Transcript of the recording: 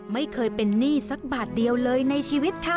ไม่เคยเป็นหนี้สักบาทเดียวเลยในชีวิตค่ะ